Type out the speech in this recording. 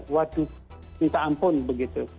waduh minta ampun begitu